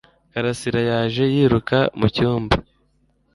Karasira yaje yiruka mu cyumba.